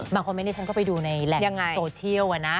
บางคอมเม้นท์ฉันก็ไปดูในแหล็กโซเชียลอ่ะหน้า